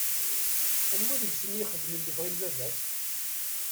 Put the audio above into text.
Anwa deg-sen i ixedmen lebɣi n baba-s?